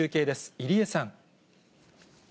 入江さん。